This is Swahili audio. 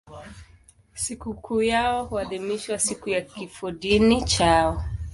Sikukuu yao huadhimishwa siku ya kifodini chao.